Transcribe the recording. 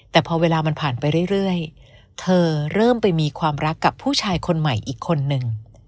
แต่พอเวลามันผ่านไปเรื่อยเธอเริ่มไปมีความรักกับผู้ชายคนใหม่อีกคนนึง